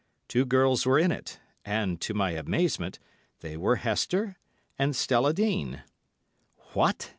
Two girls were in it, and to my amazement, they were Hester and Stella Dean." "What!"